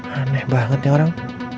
aneh banget ya orang